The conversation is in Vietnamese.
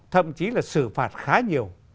thậm chí là xử phạt khá nhiều